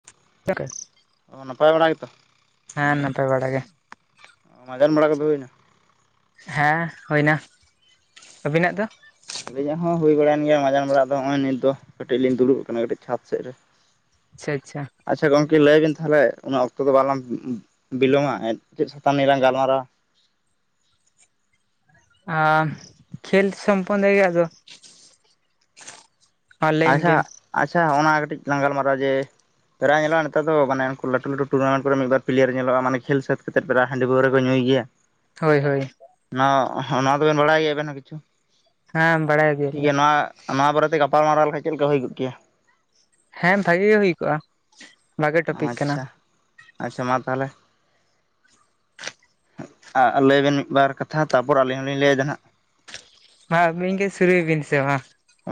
[inaudible] ᱚ ᱱᱟᱯᱟᱭ ᱵᱟᱲᱟ ᱜᱮᱛᱚ ᱦᱮᱸ ᱱᱟᱯᱟᱭ ᱵᱟᱲᱟ ᱜᱮ ᱢᱟᱡᱟᱱ ᱵᱟᱲᱟ ᱠᱚᱫᱚ ᱦᱩᱭᱱᱟ ᱦᱮᱸ ᱦᱩᱭᱱᱟ ᱟᱹᱵᱤᱱᱟᱜ ᱫᱚ ᱟᱹᱞᱤᱧᱟᱜ ᱦᱚᱸ ᱦᱩᱭ ᱵᱟᱲᱟᱭᱮᱱ ᱜᱮᱭᱟ ᱢᱟᱡᱟᱱ ᱵᱟᱲᱟᱜ ᱫᱚ ᱱᱚᱜ ᱚᱭ ᱱᱤᱛ ᱫᱚ ᱠᱟᱹᱴᱤᱡ ᱞᱤᱧ ᱫᱩᱲᱩᱵ ᱠᱟᱱᱟ ᱠᱟᱹᱴᱤᱡ ᱪᱷᱟᱫᱽ ᱥᱮᱡ ᱨᱮ ᱟᱪᱪᱷᱟ ᱟᱪᱪᱷᱟ ᱟᱪᱪᱷᱟ ᱜᱚᱝᱠᱮ ᱞᱟᱹᱭ ᱵᱤᱱ ᱛᱟᱦᱚᱞᱮ ᱩᱱᱟᱹᱜ ᱚᱠᱛᱚ ᱫᱚ ᱵᱟᱞᱟᱝ ᱵᱤᱞᱚᱢᱟ ᱪᱮᱫ ᱥᱟᱛᱟᱢ ᱱᱤᱭᱟᱹ ᱞᱟᱝ ᱜᱟᱞᱢᱟᱨᱟᱣᱟ ᱟ ᱠᱷᱮᱞ ᱥᱚᱢᱯᱚᱱᱫ ᱜᱮ ᱟᱫᱚ ᱚᱱᱞᱟᱭᱤᱱ ᱟᱪᱪᱷᱟ ᱜᱮᱢ ᱟᱪᱪᱷᱟ ᱚᱱᱟ ᱠᱟᱹᱴᱤᱡ ᱞᱟᱝ ᱜᱟᱞᱢᱟᱨᱟᱣᱟ ᱡᱮ ᱯᱮᱨᱟᱭ ᱧᱮᱞᱚᱜᱼᱟ ᱱᱮᱛᱟᱨᱫᱚ ᱢᱟᱱᱮ ᱞᱟᱹᱴᱩ ᱞᱟᱹᱴᱩ ᱴᱩᱨᱱᱟᱢᱴ ᱠᱚᱨᱮ ᱢᱤᱫ ᱵᱟᱨ ᱯᱞᱮᱭᱟᱨ ᱧᱮᱞᱚᱜᱼᱟ ᱢᱟᱱᱮ ᱠᱷᱮᱞ ᱥᱟᱹᱛ [unintelligible] ᱵᱮᱲᱟ ᱦᱟᱺᱰᱤ ᱯᱟᱹᱣᱟᱹ ᱠᱚ ᱧᱩᱭ ᱜᱮᱭᱟ ᱦᱳᱭ ᱦᱳᱭ ᱱᱚᱣᱟ ᱱᱚᱣᱟ ᱫᱚᱵᱮᱱ ᱵᱟᱲᱟᱭ ᱜᱮ ᱟᱵᱮᱱ ᱦᱚᱸ ᱠᱤᱪᱷᱩ ᱦᱮᱸ ᱵᱟᱲᱟᱭ ᱜᱮᱭᱟᱞᱤᱧ ᱴᱷᱤᱠᱜᱮᱭᱟ ᱱᱚᱣᱟ ᱱᱚᱣᱟ ᱵᱟᱨᱮᱛᱮ ᱜᱟᱯᱟᱞᱢᱟᱨᱟᱣ ᱞᱮᱠᱷᱟᱡ ᱪᱮᱫ ᱞᱮᱠᱟ ᱦᱩᱭ ᱠᱚᱜ ᱜᱮᱭᱟ ᱦᱮᱸ ᱵᱷᱟᱹᱜᱤ ᱜᱮ ᱦᱩᱭ ᱠᱚᱜᱼᱟ ᱵᱷᱟᱜᱮ ᱴᱚᱯᱤᱠ ᱠᱟᱱᱟ ᱟᱪᱪᱷᱟ ᱟᱪᱪᱷᱟ ᱢᱟ ᱛᱟᱦᱚᱞᱮ ᱞᱟᱹᱭ ᱵᱮᱱ ᱢᱤᱫ ᱵᱟᱨ ᱠᱟᱛᱷᱟ ᱛᱟᱯᱚᱨ ᱟᱹᱞᱤᱧ ᱦᱚᱸᱞᱤᱧ ᱞᱟᱹᱭ ᱟ ᱡᱟᱦᱟᱱᱟᱜ ᱢᱟ ᱟᱹᱵᱤᱱ ᱜᱮ ᱥᱩᱨᱩᱭ ᱵᱤᱱ ᱥᱮ ᱢᱟ ᱚ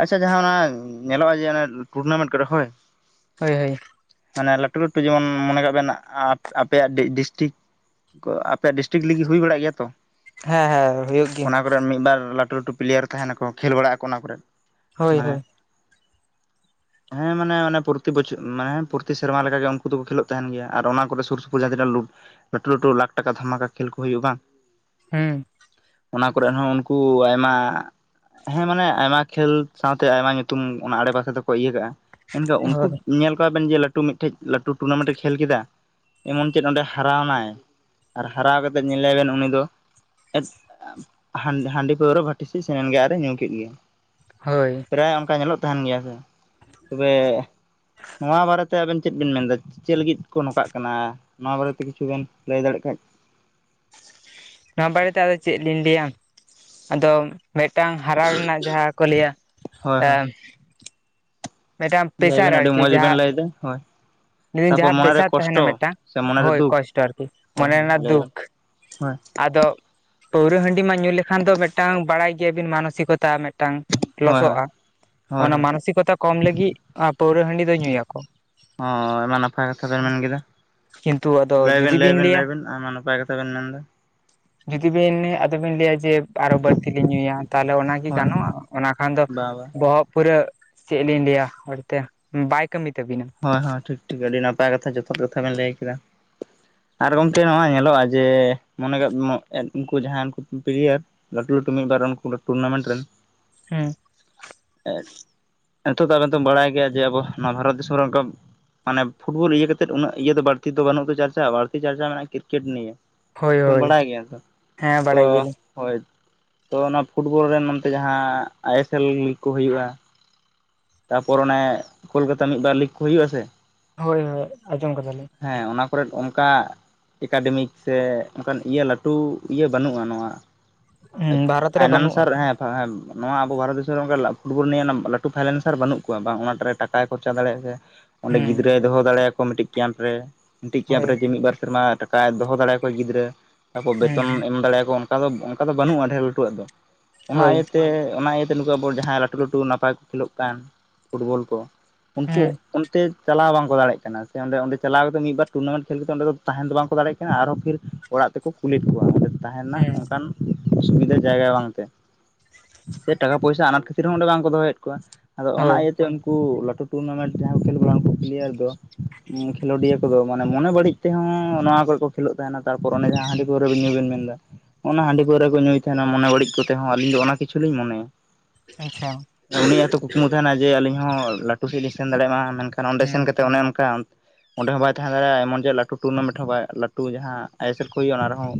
ᱟᱪᱪᱷᱟ ᱡᱟᱦᱟᱸ ᱚᱱᱟ ᱧᱮᱞᱚᱜᱼᱟ ᱡᱮ ᱚᱱᱟ ᱴᱩᱨᱱᱟᱢᱮᱱᱴ ᱠᱚᱨᱮ ᱦᱳᱭ ᱦᱳᱭ ᱦᱳᱭ ᱢᱟᱱᱮ ᱞᱟᱹᱴᱩ ᱞᱟᱹᱴᱩ ᱡᱮᱢᱚᱱ ᱢᱚᱱᱮ ᱠᱟᱜ ᱵᱮᱱ ᱟᱯᱮᱭᱟᱜ ᱰᱤᱥᱴᱤᱠ ᱟᱯᱮᱭᱟᱜ ᱰᱤᱥᱴᱤᱠ ᱞᱟᱠ ᱦᱩᱭ ᱵᱟᱲᱟᱜ ᱜᱮᱭᱟ ᱛᱚ ᱦᱮᱸ ᱦᱮᱸ ᱦᱩᱭᱩᱜ ᱜᱮᱭᱟ ᱚᱱᱟ ᱠᱚᱨᱮ ᱢᱤᱫ ᱵᱟᱨ ᱞᱟᱹᱴᱩ ᱞᱟᱹᱴᱩ ᱯᱞᱮᱭᱟᱨ ᱛᱟᱦᱮᱱᱟᱠᱚ ᱠᱷᱮᱞ ᱵᱟᱲᱟᱜ ᱟᱠᱚ ᱚᱱᱟ ᱠᱚᱨᱮᱫ ᱦᱳᱭ ᱢᱟᱱᱮ ᱦᱳᱭ ᱦᱮᱸ ᱢᱟᱱᱮ ᱯᱨᱚᱛᱤ ᱵᱚᱪᱷ ᱢᱮ ᱯᱨᱚᱛᱤ ᱥᱮᱨᱢᱟ ᱞᱮᱠ ᱜᱮ ᱩᱱᱠᱩ ᱫᱚᱠᱚ ᱠᱷᱮᱞᱹᱳ ᱛᱟᱦᱮᱱ ᱜᱮᱭᱟ ᱚᱱᱟ ᱠᱚᱨᱮ ᱥᱩᱨ ᱥᱩᱯᱩᱨ ᱡᱟᱦᱟᱸ ᱛᱤᱱᱟᱹᱜ ᱞᱳᱰ ᱞᱟᱹᱴᱩ ᱞᱟᱹᱴᱩ ᱞᱟᱠᱷ ᱴᱟᱠᱟ ᱫᱷᱟᱢᱟᱠᱟ ᱠᱷᱮᱞ ᱠᱚ ᱦᱩᱭᱩᱜᱼᱟ ᱵᱟᱝ ᱦᱩᱸ ᱚᱱᱟ ᱠᱚᱨᱮ ᱦᱚᱸ ᱩᱱᱠᱩ ᱟᱭᱢᱟ ᱦᱮᱸ ᱢᱟᱱᱮ ᱟᱭᱢᱟ ᱠᱷᱮᱞ ᱥᱟᱶᱛᱮ ᱟᱭᱢᱟ ᱧᱩᱛᱩᱢ ᱚᱱᱟ ᱟᱲᱮ ᱯᱟᱥᱮ ᱫᱚᱠᱚ ᱤᱭᱟᱹ ᱠᱟᱜᱼᱟ ᱢᱮᱱᱠᱷᱟᱱ ᱩᱱᱠᱩ ᱦᱳᱭ ᱧᱮᱞ ᱠᱚᱣᱟ ᱵᱮᱱ ᱡᱮ ᱞᱟᱹᱴᱩ ᱞᱟᱹᱴᱩ ᱢᱤᱫᱴᱮᱡ ᱞᱟᱹᱴᱩ ᱴᱩᱨᱱᱟᱢᱮᱱᱴ ᱮ ᱠᱷᱮᱞ ᱠᱮᱫᱟ ᱮᱢᱚᱱ ᱪᱮᱫ ᱚᱸᱰᱮ ᱦᱟᱨᱟᱣᱱᱟᱭ ᱟᱨ ᱦᱟᱨᱟᱣ ᱠᱟᱛᱮᱫ ᱧᱮᱞᱮ ᱵᱮᱱ ᱩᱱᱤ ᱫᱚ ᱦᱟᱺᱰᱤ ᱯᱟᱹᱣᱨᱟᱹ ᱵᱟᱹᱴᱤ ᱥᱮᱫ ᱥᱮᱱᱮᱱ ᱜᱮ ᱟᱨᱮ ᱧᱩ ᱠᱮᱫ ᱜᱮ ᱦᱳᱭ ᱯᱨᱟᱭ ᱚᱱᱠᱟ ᱧᱮᱞᱚᱜ ᱛᱟᱦᱮᱱ ᱜᱮᱭᱟ ᱥᱮ ᱛᱚᱵᱮ ᱱᱚᱣᱟ ᱵᱟᱨᱮᱛᱮ ᱛᱮ ᱟᱵᱮᱱ ᱪᱮᱫ ᱵᱮᱱ ᱢᱮᱱᱮᱫᱟ ᱪᱮᱫ ᱞᱟᱹᱜᱤᱫ ᱠᱚ ᱱᱚᱝᱠᱟᱜ ᱠᱟᱱᱟ ᱱᱚᱣᱟ ᱵᱟᱨᱮᱛᱮ ᱠᱤᱪᱷᱩ ᱵᱮᱱ ᱞᱟᱹᱭ ᱫᱟᱲᱮᱜ ᱠᱷᱟᱱ ᱱᱚᱣᱟ ᱵᱟᱨᱮᱛᱮ ᱟᱫᱚ ᱪᱮᱫ ᱞᱤᱧ ᱞᱟᱹᱭᱟ ᱟᱫᱚ ᱢᱤᱫᱴᱟᱝ ᱦᱟᱨᱟ ᱨᱮᱱᱟᱜ ᱡᱟᱦᱟᱸ ᱠᱚ ᱞᱮᱭᱟ ᱦᱳᱭ ᱦᱳᱭ ᱢᱮᱫᱴᱟᱢ ᱞᱟᱹᱭ ᱯᱮᱥᱟᱨ ᱵᱮᱱ ᱟᱹᱰᱤ ᱟᱨᱠᱤ ᱢᱚᱸᱡᱽ ᱵᱮᱱ ᱡᱟᱦᱟᱸ ᱞᱟᱹᱭᱫᱟ ᱦᱳᱭ ᱞᱟᱹᱭ ᱫᱟᱹᱧ ᱛᱟᱯᱚᱨ ᱡᱟᱦᱟᱸ ᱢᱚᱱᱮᱨᱮ ᱯᱮᱥᱟᱨ ᱛᱟᱦᱮᱱᱟ ᱠᱚᱥᱴᱚ ᱢᱮᱫ ᱴᱟᱝ ᱥᱮ ᱢᱚᱱᱮᱨᱮ ᱦᱳᱭ ᱫᱩᱠ ᱠᱚᱥᱴᱚ ᱟᱨᱠᱤ ᱦᱳᱭ ᱢᱚᱱᱮ ᱦᱳᱭ ᱨᱮᱱᱟᱜ ᱞᱟᱹᱭ ᱵᱮᱱ ᱫᱩᱠ ᱦᱳᱭ ᱟᱫᱚ ᱯᱟᱹᱣᱨᱟᱹ ᱦᱟᱺᱰᱤ ᱢᱟ ᱧᱩ ᱞᱮᱠᱷᱟᱱ ᱫᱚ ᱢᱮᱫᱴᱟᱝ ᱵᱟᱲᱟᱭ ᱜᱮᱭᱟᱵᱤᱱ ᱢᱟᱱᱚᱥᱤᱠᱚᱛᱟ ᱢᱮᱫᱴᱟᱝ ᱦᱳᱭ ᱦᱳᱭ ᱞᱚᱥᱚᱜᱼᱟ ᱦᱳᱭ ᱚᱱᱟ ᱦᱳᱭ ᱦᱚᱸ ᱢᱟᱱᱚᱥᱤᱠᱚᱛᱟ ᱠᱚᱢ ᱞᱟᱹᱜᱤᱫ ᱯᱟᱹᱣᱨᱟᱹ ᱦᱟᱺᱰᱤ ᱫᱚ ᱧᱩᱭᱟᱠᱚ ᱟᱭᱢᱟ ᱠᱤᱱᱛᱩ ᱡᱩᱫᱤ ᱞᱟᱹᱭᱵᱤᱱ ᱵᱤᱱ ᱞᱟᱹᱭᱵᱤᱱ ᱞᱟᱹᱭᱟ ᱞᱟᱹᱭᱵᱤᱱ ᱟᱢᱟ ᱱᱟᱯᱟᱭ ᱠᱟᱛᱷᱟ ᱵᱮᱱ ᱢᱮᱱ ᱫᱟ ᱡᱩᱫᱤ ᱵᱮᱱ ᱟᱫᱚᱵᱤᱱ ᱞᱟᱹᱭᱟ ᱡᱮ ᱟᱨᱦᱚᱸ ᱵᱟᱹᱲᱛᱤ ᱞᱤᱧ ᱧᱩᱭᱟ ᱛᱟᱦᱚᱞᱮ ᱚᱱᱟ ᱤ ᱦᱳᱭ ᱜᱟᱱᱚᱜᱼᱟ ᱚᱱᱟ ᱠᱷᱟᱱ ᱫᱚ ᱵᱟ ᱵᱟ ᱵᱚᱦᱚᱜ ᱯᱩᱨᱟᱹ ᱪᱮᱫ ᱞᱤᱧ ᱞᱟᱹᱭᱟ ᱦᱚᱲᱛᱮ ᱵᱟᱭ ᱠᱟᱹᱢᱤ ᱛᱟᱵᱤᱱᱟ ᱦᱳᱭ ᱦᱳᱭ ᱴᱷᱤᱠ ᱴᱷᱤᱠ ᱟᱹᱰᱤ ᱱᱟᱯᱟᱭ ᱠᱟᱛᱷᱟ ᱡᱚᱛᱷᱟᱛ ᱠᱟᱛᱷᱟ ᱵᱮᱱ ᱞᱟᱹᱭ ᱠᱟᱫᱟ ᱟᱨ ᱜᱚᱢᱠᱮ ᱱᱚᱣᱟ ᱧᱮᱞᱚᱜᱼᱟ ᱡᱮ ᱢᱚᱱᱮ ᱠᱟᱜ ᱩᱱᱠᱩ ᱡᱟᱦᱟᱸᱭ ᱩᱠᱩ ᱯᱞᱮᱭᱟᱨ ᱞᱟᱹᱴᱩ ᱞᱟᱹᱴᱩ ᱢᱤᱫ ᱵᱟᱨ ᱨᱟᱱ ᱠᱩ ᱴᱩᱨᱱᱟᱢᱮᱱᱴ ᱨᱮᱱ ᱦᱮᱸ [unintelligible] ᱱᱤᱛᱳᱜ ᱫᱚ ᱟᱵᱮᱱ ᱫᱚ ᱵᱟᱲᱟᱭ ᱜᱮᱭᱟ ᱡᱮ ᱟᱵᱚ ᱱᱚᱣᱟ ᱵᱷᱟᱨᱚᱛ ᱫᱤᱥᱚᱢ ᱨᱮ ᱚᱱᱠᱟ ᱢᱟᱱᱮ ᱯᱷᱩᱴᱵᱚᱞ ᱤᱭᱟᱹ ᱠᱟᱛᱮᱫ ᱩᱱᱟᱹᱜ ᱤᱭᱟᱹ ᱫᱚ ᱵᱟᱹᱲᱛᱤ ᱫᱚ ᱵᱟᱹᱱᱩᱜ ᱫᱚ ᱪᱟᱨᱪᱟ ᱟᱨᱤᱠᱤ ᱪᱟᱨᱪᱟ ᱢᱮᱱᱟᱜ-ᱟ ᱠᱨᱤᱠᱮᱴ ᱱᱤᱭᱮ ᱦᱳᱭ ᱦᱳᱭ ᱵᱟᱲᱟᱭ ᱜᱮᱭᱟ ᱛᱚ ᱦᱮᱸ ᱛᱚ ᱵᱟᱲᱟᱭ ᱜᱮᱭᱟᱞᱤᱧ ᱦᱳᱭ ᱛᱚ ᱚᱱᱟ ᱯᱷᱩᱴᱵᱚᱞ ᱨᱮᱱ ᱱᱚᱱᱛᱮ ᱡᱟᱦᱟᱸ ᱟᱭᱮᱥᱮᱞ ᱞᱤᱜᱽ ᱠᱚ ᱦᱩᱭᱩᱜᱼᱟ ᱛᱟ ᱯᱚᱨ ᱚᱱᱮ ᱠᱳᱞᱠᱟᱛᱟ ᱢᱤᱫ ᱵᱟᱨ ᱞᱤᱜᱽ ᱠᱚ ᱦᱩᱭᱩᱜᱼᱟ ᱥᱮ ᱦᱳᱭ ᱦᱳᱭ ᱟᱸᱡᱚᱢ ᱠᱟᱫᱟᱞᱤᱧ ᱦᱮᱸ ᱚᱱᱟ ᱠᱚᱨᱮ ᱚᱱᱠᱟ ᱮᱠᱟᱰᱮᱢᱤᱠ ᱥᱮ ᱚᱱᱠᱟᱱ ᱤᱭᱟᱹ ᱞᱟᱹᱴᱩ ᱤᱭᱟᱹ ᱵᱟᱹᱱᱩᱜᱼᱟ ᱱᱚᱣᱟ ᱦᱩᱸ [unintelligible] ᱵᱷᱟᱨᱚᱛ ᱨᱮ ᱵᱟᱹᱱᱩᱜᱼᱟ ᱯᱷᱟᱭᱱᱟᱱᱥᱟᱨ ᱦᱮᱸ [unintelligible] ᱱᱚᱣᱟ ᱟᱵᱚ ᱵᱷᱟᱨᱚᱛ ᱫᱤᱥᱚᱢ ᱨᱮ ᱯᱷᱩᱴᱵᱚᱞ ᱱᱤᱭᱟᱹ ᱞᱟᱹᱴᱩ ᱯᱷᱟᱭᱱᱮᱱᱥ ᱱᱮᱛᱟᱨ ᱵᱟᱹᱱᱩᱜ ᱠᱚᱣᱟ ᱵᱟᱝ ᱚᱱᱟᱴᱟᱜ ᱨᱮ ᱴᱟᱠᱟᱭ ᱠᱷᱚᱨᱪᱟ ᱫᱟᱲᱮᱭᱟᱜ ᱠᱮᱭᱟ ᱚᱸᱰᱮ ᱦᱩᱸ ᱜᱤᱫᱽᱨᱟᱹᱭ ᱫᱚᱦᱚ ᱫᱟᱲᱮᱭᱟᱠᱚ ᱢᱤᱫᱴᱤᱡ ᱠᱮᱢᱯ ᱨᱮ ᱢᱤᱫᱴᱤᱡ ᱠᱮᱢᱯ ᱦᱳᱭ ᱨᱮ ᱜᱤ ᱢᱤᱫ ᱵᱟᱨ ᱥᱮᱨᱢᱟ ᱴᱟᱠᱟᱭ ᱫᱚᱦᱚ ᱫᱟᱲᱮᱭᱟᱠᱚᱣᱟ ᱜᱤᱫᱽᱨᱟᱹ ᱛᱟᱯᱚᱨ ᱦᱩᱸ ᱵᱮᱛᱚᱱ ᱮᱢ ᱫᱟᱲᱮᱭᱟᱠᱚ ᱠᱟ ᱫᱚ ᱚᱱᱠᱟ ᱫᱚ ᱵᱟᱹᱱᱩᱜᱼᱟ ᱰᱷᱮᱨ ᱞᱟᱹᱴᱩᱣᱟᱜ ᱫᱚ ᱚᱱᱟ ᱦᱳᱭ ᱤᱭᱟᱹᱛᱮ ᱚᱱᱟ ᱤᱭᱟᱹ ᱛᱮ ᱱᱩᱠᱩ ᱟᱵᱚ ᱡᱟᱦᱟᱸᱭ ᱞᱟᱹᱴᱩ ᱞᱟᱹᱴᱩ ᱱᱟᱯᱟᱭ ᱠᱷᱮᱞᱳᱜ ᱠᱟᱱ ᱯᱷᱩᱴᱵᱚᱞ ᱠᱚ ᱩᱱᱠᱩ ᱦᱩᱸ ᱚᱱᱛᱮ ᱪᱟᱞᱟᱣ ᱵᱟᱝᱠᱚ ᱫᱟᱲᱮᱜ ᱠᱟᱱᱟ ᱥᱮ ᱚᱸᱰᱮ ᱚᱸᱰᱮ ᱪᱟᱞᱟᱣ ᱛᱮ ᱢᱤᱫ ᱵᱟᱨ ᱴᱩᱨᱱᱟᱢᱮᱱᱴ ᱠᱷᱮᱞ ᱠᱟᱛᱮ ᱚᱸᱰᱮ ᱫᱚ ᱛᱟᱦᱮᱱ ᱫᱚ ᱵᱟᱝᱠᱚ ᱫᱟᱲᱮᱜ ᱠᱟᱱᱟ ᱟᱨᱦᱚᱸ ᱠᱷᱮᱞ ᱚᱲᱟᱜ ᱛᱮᱠᱚ ᱠᱩᱞᱮᱫ ᱠᱚᱣᱟ ᱚᱸᱰᱮ ᱛᱟᱦᱮ ᱨᱮᱱᱟᱜ ᱦᱩᱸ ᱚᱱᱠᱟᱱ [inaudible] ᱚᱥᱩᱵᱤᱫᱟ ᱡᱟᱭᱜᱟ ᱵᱟᱝᱛᱮ ᱥᱮ ᱴᱟᱠᱟ ᱯᱚᱭᱥᱟ ᱟᱱᱟᱴ ᱠᱷᱟᱹᱛᱤᱨ ᱦᱚᱸ ᱚᱸᱰᱮ ᱵᱟᱝᱠᱚ ᱫᱚᱦᱚᱭᱮᱫ ᱠᱚᱣᱟ ᱟᱫᱚ ᱚᱱᱟ ᱦᱳᱭ ᱤᱭᱟᱹᱛᱮ ᱩᱱᱠᱩ ᱞᱟᱹᱴᱩ ᱴᱩᱨᱱᱟᱢᱮᱱᱴ ᱡᱟᱦᱟᱸ ᱠᱚ ᱠᱷᱮᱞ ᱵᱟᱲᱟ ᱩᱱᱠᱩ ᱞᱤᱭᱮ ᱫᱚ ᱠᱷᱮᱞᱳᱰᱤᱭᱟᱹ ᱠᱚᱫᱚ ᱢᱚᱱᱮ ᱢᱚᱱᱮ ᱵᱟᱹᱲᱤᱡ ᱛᱮᱦᱚᱸ ᱱᱚᱣᱟ ᱠᱚᱠᱚ ᱠᱷᱮᱞᱳᱜ ᱛᱟᱦᱮᱱᱟ ᱛᱟᱨᱯᱚᱨ ᱚᱱᱮ ᱡᱟᱦᱟᱸ ᱦᱟᱺᱰᱤ ᱯᱟᱹᱣᱨᱟᱹ ᱧᱩ ᱵᱮᱱ ᱢᱮᱱ ᱫᱟ ᱚᱱᱟ ᱦᱟᱺᱰᱤ ᱯᱟᱹᱣᱨᱟᱹ ᱠᱚ ᱧᱩᱭ ᱛᱟᱦᱮᱱᱟ ᱢᱚᱱᱮ ᱵᱟᱹᱲᱤᱡ ᱠᱚᱛᱮ ᱦᱚᱸ ᱟᱞᱤᱧ ᱫᱚ ᱚᱱᱟ ᱠᱤᱪᱷᱩ ᱞᱤᱧ ᱢᱚᱱᱮᱭᱟ ᱟᱪᱪᱷᱟ ᱩᱱᱤᱭᱟᱜ ᱛᱚ ᱠᱩᱠᱢᱩ ᱛᱟᱦᱮᱱᱟ ᱡᱮ ᱟᱹᱞᱤᱧ ᱦᱚᱸ ᱞᱟᱹᱴᱩ ᱠᱷᱮᱞ ᱞᱤᱧ ᱥᱮᱱ ᱫᱟᱲᱮᱜᱼᱢᱟ ᱢᱮᱱᱠᱷᱟᱱ ᱚᱸᱰᱮ ᱦᱩᱸ ᱥᱮᱱ ᱠᱟᱛᱮ ᱚᱱᱮ ᱚᱱᱠᱟ ᱚᱸᱰᱮ ᱦᱚᱸ ᱵᱟᱭ ᱛᱟᱦᱮᱸ ᱫᱟᱲᱮᱭᱟᱜᱼᱟ ᱮᱢᱚᱱ ᱡᱮᱫ ᱞᱟᱹᱴᱩ ᱴᱩᱨᱱᱟᱢᱮᱱᱴ ᱦᱚᱸ ᱵᱟᱭ ᱞᱟᱹᱴᱩ ᱡᱟᱦᱟᱸ ᱟᱭᱮᱥᱮᱞ ᱠᱚ ᱦᱩᱭᱩᱜᱼᱟ ᱚᱱᱟ ᱨᱮᱦᱚᱸ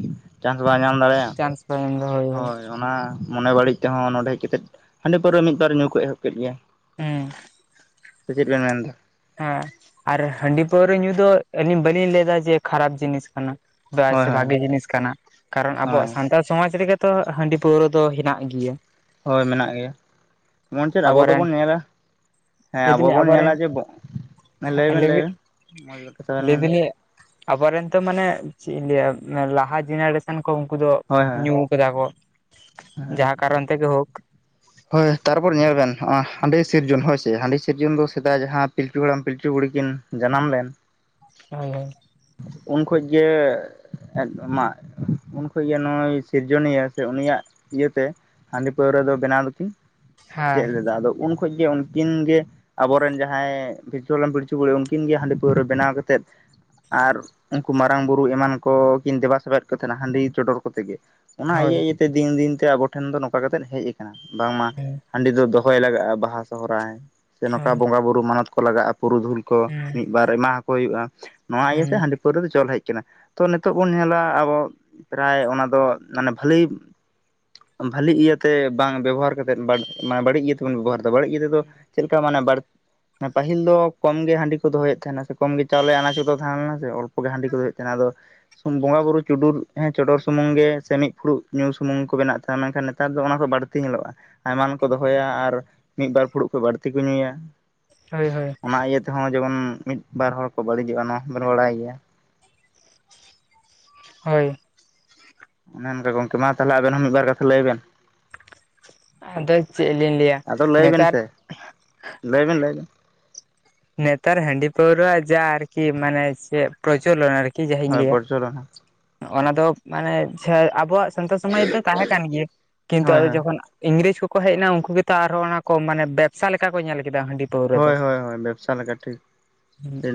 ᱪᱟᱱᱥ ᱵᱟᱭ ᱧᱟᱢ ᱫᱟᱲᱮᱭᱟᱜ ᱪᱟᱱᱥ ᱵᱟᱭ ᱮᱢᱫᱟ ᱦᱳᱭ ᱚᱱᱟ ᱢᱚᱱᱮ ᱵᱟᱹᱲᱤᱡ ᱛᱮᱦᱚᱸ ᱱᱚᱸᱰᱮ ᱦᱮᱡ ᱠᱟᱛᱮᱫ ᱦᱟᱺᱰᱤ ᱯᱟᱹᱣᱨᱟᱹ ᱢᱤᱫ ᱵᱟᱨ ᱧᱩ ᱠᱚ ᱮᱦᱚᱵ ᱠᱮᱫ ᱜᱮᱭᱟ ᱦᱮᱸ ᱪᱮᱫ ᱵᱮᱱ ᱢᱮᱱ ᱮᱫᱟ ᱦᱮᱸ ᱟᱨ ᱦᱟᱺᱰᱤ ᱯᱟᱹᱣᱨᱟᱹ ᱧᱩ ᱫᱚ ᱟᱹᱞᱤ ᱵᱟᱹᱞᱤᱧ ᱞᱟᱹᱭ ᱮᱫᱟ ᱡᱮ ᱠᱷᱟᱨᱟᱯ ᱡᱤᱱᱤᱥ ᱠᱟᱱᱟ ᱦᱳᱭ [unintelligible] ᱦᱳᱭ ᱵᱷᱟᱜᱤ ᱡᱤᱱᱤᱥ ᱠᱟᱱᱟ ᱠᱟᱨᱚᱱ ᱦᱳᱭ ᱟᱵᱚᱣᱟᱜ ᱥᱟᱱᱛᱟᱲ ᱥᱚᱢᱟᱡᱽ ᱨᱮᱜᱮ ᱛᱚ ᱦᱟᱺᱰᱤ ᱯᱟᱹᱣᱨᱟᱹ ᱫᱚ ᱦᱮᱱᱟᱜ ᱜᱤᱭᱟ ᱦᱳᱭ ᱢᱮᱱᱟᱜ ᱜᱮᱭᱟ ᱮᱢᱚᱱ ᱪᱮᱫ ᱟᱵᱚ ᱟᱵᱚᱨᱮᱱ ᱫᱚᱵᱚᱱ ᱧᱮᱞᱟ ᱦᱮᱸ ᱞᱟᱹᱭ ᱟᱵᱚ ᱫᱟᱞᱤᱧ ᱵᱚᱱ ᱧᱮᱞᱟ ᱟᱵᱚᱨᱮᱱ ᱡᱮ ᱵᱚᱜ ᱞᱟᱹᱭ ᱵᱮᱱ ᱞᱟᱹᱭ ᱵᱮᱱ ᱢᱚᱡᱽ ᱠᱟᱛᱷᱟ ᱵᱮᱱ ᱢᱮᱱ ᱫᱟ ᱟᱵᱚᱨᱮᱱᱛᱚ ᱢᱟᱱᱮ ᱪᱮᱜ ᱮᱢ ᱞᱟᱹᱭᱟ ᱞᱟᱦᱟ ᱡᱮᱱᱟᱨᱮᱥᱮᱱ ᱠᱚ ᱩᱱᱠᱩ ᱫᱚ ᱦᱳᱭ ᱦᱳᱭ ᱧᱩᱸ ᱠᱮᱫᱟ ᱠᱚ ᱦᱮᱸ ᱡᱟᱦᱟᱸ ᱠᱟᱨᱚᱱ ᱛᱮᱜᱮ ᱦᱳᱠ ᱦᱳᱭ ᱛᱟᱨᱯᱚᱨ ᱧᱮᱞ ᱵᱮᱱ ᱦᱚᱜᱼᱟ ᱦᱟᱺᱰᱤ ᱥᱤᱨᱡᱚᱱ ᱦᱳᱭ ᱥᱮ ᱦᱟᱺᱰᱤ ᱥᱤᱨᱡᱚᱱ ᱫᱚ ᱥᱮᱫᱟᱭ ᱡᱟᱦᱟᱸ ᱯᱤᱞᱪᱩ ᱦᱟᱲᱟᱢ ᱯᱤᱞᱪᱩ ᱵᱩᱲᱦᱤ ᱠᱤᱱ ᱡᱟᱱᱟᱢ ᱞᱮᱱ ᱦᱳᱭ ᱦᱳᱭ ᱩᱱ ᱠᱷᱚᱡ ᱜᱮ ᱮᱫ ᱢᱟᱡ ᱩᱱ ᱠᱷᱚᱡ ᱜᱮ ᱱᱚᱜ-ᱚᱭ ᱥᱤᱨᱡᱚᱱᱤᱭᱟᱹ ᱥᱮ ᱩᱱᱤᱭᱟᱜ ᱤᱭᱟᱹᱛᱮ ᱦᱟᱺᱰᱤ ᱯᱟᱹᱣᱨᱟᱹ ᱫᱚ ᱵᱮᱱᱟᱣ ᱫᱚᱠᱤᱱ ᱪᱮᱫ ᱞᱮᱫᱟ ᱟᱫᱚ ᱩᱱ ᱠᱷᱚᱡᱽ ᱜᱮ ᱩᱱᱠᱤᱱ ᱜᱮ ᱟᱵᱚᱨᱮᱱ ᱡᱟᱦᱟᱸᱭ ᱯᱤᱞᱪᱩ ᱦᱟᱲᱟᱢ ᱯᱤᱞᱪᱩ ᱵᱩᱲᱦᱤ ᱩᱱᱠᱤᱱ ᱜᱮ ᱦᱟᱺᱰᱤ ᱯᱟᱹᱣᱨᱟᱹ ᱵᱮᱱᱟᱣ ᱠᱟᱛᱮᱫ ᱟᱨ ᱩᱱᱠᱩ ᱢᱟᱨᱟᱝ ᱵᱩᱨᱩ ᱮᱢᱟᱱ ᱠᱚ ᱠᱤᱱ ᱫᱮᱵᱟ ᱥᱮᱵᱟᱭᱮᱫ ᱠᱚ ᱛᱟᱦᱮᱱᱟ ᱦᱟᱺᱰᱤ ᱪᱚᱰᱚᱨ ᱠᱚᱛᱮ ᱜᱮ ᱚᱱᱟ ᱦᱳᱭ ᱤᱭᱟᱹ ᱤᱭᱟᱹᱛᱮ ᱫᱤᱱ ᱫᱤᱱ ᱛᱮ ᱟᱵᱚ ᱴᱷᱮᱱ ᱫᱚ ᱱᱚᱝᱠᱟ ᱠᱟᱛᱮ ᱦᱮᱡ ᱟᱠᱟᱱᱟ ᱵᱟᱝ ᱢᱟ ᱦᱮᱸ ᱦᱟᱺᱰᱤ ᱫᱚ ᱫᱚᱦᱚᱭ ᱞᱟᱜᱟᱜᱼᱟ ᱵᱟᱦᱟ ᱥᱚᱦᱨᱟᱭ ᱥᱮ ᱱᱚᱝᱠᱟ ᱦᱳᱭ ᱵᱚᱸᱜᱟ ᱵᱩᱨᱩ ᱢᱟᱱᱚᱛ ᱠᱚ ᱞᱟᱜᱟᱜᱼᱟ ᱯᱩᱨᱩᱫᱷᱩᱞ ᱠᱚ ᱦᱩᱸ ᱦᱩᱸ ᱢᱤᱫ ᱵᱟᱨ ᱮᱢᱟ ᱟᱠᱚ ᱦᱩᱭᱩᱜᱼᱟ ᱱᱚᱣᱟ ᱦᱩᱸ ᱤᱭᱟᱹᱛᱮ ᱦᱟᱺᱰᱤ ᱯᱟᱹᱣᱨᱟᱹ ᱫᱚ ᱪᱚᱞ ᱦᱮᱡ ᱟᱠᱟᱱᱟ ᱛᱚ ᱱᱤᱛᱚᱜ ᱵᱚᱱ ᱧᱮᱞᱟ ᱟᱵᱚ ᱯᱨᱟᱭ ᱚᱱᱟ ᱫᱚ ᱢᱟᱱᱮ ᱵᱷᱟᱹᱞᱤ ᱵᱷᱟᱹᱞᱤ ᱤᱭᱟᱹ ᱛᱮ ᱵᱟᱝ ᱵᱮᱵᱚᱦᱟᱨ ᱠᱟᱛᱮᱫ ᱵᱟᱰ ᱢᱟᱱᱮ ᱵᱟᱹᱲᱤᱡ ᱤᱭᱟᱹ ᱛᱮᱵᱚᱱ ᱵᱮᱵᱚᱦᱟᱨ ᱮᱫᱟ ᱵᱟᱹᱲᱤᱡ ᱤᱭᱟᱹ ᱛᱮᱫᱚ ᱪᱮᱫ ᱞᱮᱠᱟ ᱢᱟᱱᱮ ᱵᱟᱲ ᱯᱟᱦᱤᱞ ᱫᱚ ᱠᱚᱢ ᱜᱮ ᱦᱟᱺᱰᱤ ᱠᱚ ᱫᱚᱦᱚᱭᱮᱫ ᱛᱟᱦᱮᱱᱟ ᱥᱮ ᱠᱚᱢ ᱜᱮ ᱪᱟᱣᱞᱮ ᱟᱱᱟᱡᱽ ᱫᱚ ᱛᱟᱦᱮᱸ ᱞᱮᱱᱟ ᱥᱮ ᱚᱞᱯᱚ ᱜᱮ ᱦᱟᱺᱰᱤ ᱠᱚ ᱫᱚᱦᱚᱭᱮᱫ ᱛᱟᱦᱮᱱᱟ ᱟᱫᱚ ᱵᱚᱸᱜᱟᱼ ᱵᱩᱨᱩ ᱪᱩᱰᱩᱨ ᱮᱸ ᱪᱚᱰᱚᱨ ᱥᱩᱢᱩᱝ ᱜᱮ ᱥᱮ ᱢᱤᱫ ᱯᱷᱩᱲᱩᱜ ᱧᱩ ᱥᱩᱢᱩᱝ ᱠᱚ ᱵᱮᱱᱟᱣ ᱮᱫ ᱛᱟᱦᱮᱱᱟ ᱢᱮᱱᱠᱷᱟᱱ ᱱᱮᱛᱟᱨ ᱫᱚ ᱚᱱᱟ ᱠᱚ ᱵᱟ. ᱲᱛᱤ ᱛᱤ ᱧᱮᱞᱚᱜᱼᱟ ᱟᱭᱢᱟᱜᱟᱱ ᱠᱚ ᱫᱚᱦᱚᱭᱟ ᱟᱨ ᱢᱤᱫᱵᱟᱨ ᱯᱷᱩᱲᱩᱜ ᱠᱷᱚᱱ ᱵᱟᱹᱲᱛᱤ ᱠᱚ ᱧᱩᱭᱟ ᱾ ᱦᱳᱭ ᱦᱳᱭ ᱦᱚᱜ-ᱚᱭ ᱡᱮᱢᱚᱱ ᱢᱤᱫ ᱵᱟᱨ ᱦᱚᱲ ᱠᱚ ᱵᱟᱹᱲᱤᱡᱚᱜᱼᱟ ᱱᱚᱣᱟ ᱦᱚᱸᱵᱮᱱ ᱵᱟᱲᱟᱭ ᱜᱮᱭᱟ ᱦᱳᱭ ᱚᱱᱮ ᱚᱱᱠᱟ ᱜᱚᱢᱠᱮ ᱢᱟ ᱛᱟᱦᱚᱞᱮ ᱟᱵᱮᱱ ᱦᱚᱸ ᱢᱤᱫᱵᱟᱨ ᱠᱟᱛᱷᱟ ᱞᱟᱹᱭ ᱵᱮᱱ ᱟᱫᱚ ᱪᱮᱫ ᱞᱤᱧ ᱞᱟᱹᱭᱟ ᱟᱫᱚ ᱞᱟᱹᱭ ᱵᱤᱱ ᱱᱮᱛᱟᱨ ᱥᱮ ᱞᱟᱹᱭ ᱵᱤᱱ ᱞᱟᱹᱭ ᱵᱤᱱ ᱾ ᱱᱮᱛᱟᱨ ᱦᱟᱺᱰᱤ ᱯᱟᱹᱣᱨᱟᱹ ᱡᱟ ᱟᱨᱠᱤ ᱢᱟᱱᱮ ᱪᱮᱫ ᱯᱨᱚᱪᱚᱞᱚᱱ ᱟᱨᱠᱤ ᱠᱤ ᱡᱟᱦᱟᱧ ᱦᱳᱭ ᱞᱟᱹᱭᱟ ᱯᱚᱨᱪᱚᱞᱚᱱ ᱚᱱᱟ ᱫᱚ ᱢᱟᱱᱮ [unintelligible] ᱟᱵᱚᱣᱟᱜ ᱥᱟᱱᱛᱟᱲ ᱥᱚᱢᱟᱡᱽ ᱨᱮᱫᱚ ᱛᱟᱦᱮᱸ ᱠᱟᱱ ᱜᱮᱭᱟ ᱠᱤᱱᱛᱩ ᱦᱳᱭ ᱟᱫᱚ ᱦᱳᱭ ᱡᱚᱠᱷᱚᱱ ᱤᱝᱨᱮᱡᱽ ᱠᱚᱠᱚ ᱦᱮᱡ ᱱᱟ ᱩᱱᱠᱩ ᱜᱮᱛᱚ ᱟᱨᱦᱚᱸ ᱚᱱᱟ ᱠᱚ ᱢᱟᱱᱮ ᱵᱮᱵᱽᱥᱟ ᱞᱮᱠᱟ ᱠᱚ ᱧᱮᱞ ᱠᱮᱫᱟ ᱦᱟᱺᱰᱤ ᱯᱟᱹᱣᱨᱟᱹ ᱦᱳᱭ ᱦᱳᱭ ᱦᱳᱭ ᱵᱮᱵᱽᱥᱟ ᱞᱮᱠᱟ ᱴᱷᱤᱠ